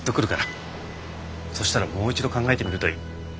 そしたらもう一度考えてみるといい。